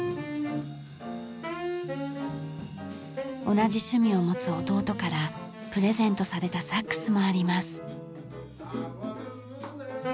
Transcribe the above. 同じ趣味を持つ弟からプレゼントされたサックスもあります。